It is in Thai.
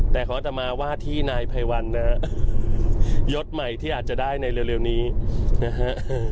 แต่ขออัตมาว่าที่นายภัยวันนะฮะยศใหม่ที่อาจจะได้ในเร็วนี้นะฮะ